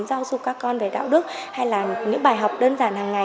giáo dục các con về đạo đức hay là những bài học đơn giản hàng ngày